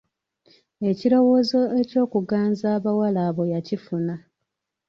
Ekirowoozo eky'okuganza abawala abo yakifuna.